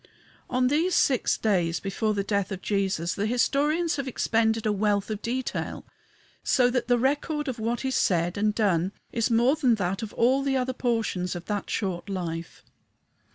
On these six days before the death of Jesus the historians have expended a wealth of detail, so that the record of what is said and done is more than that of all the other portions of that short life.